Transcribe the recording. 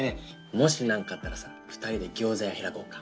もし何かあったらさ２人で餃子屋開こうか。